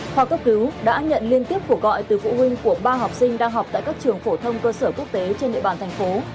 khoa cấp cứu đã nhận liên tiếp cuộc gọi từ phụ huynh của ba học sinh đang học tại các trường phổ thông cơ sở quốc tế trên địa bàn thành phố